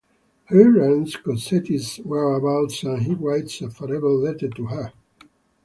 He learns Cosette's whereabouts and he writes a farewell letter to her.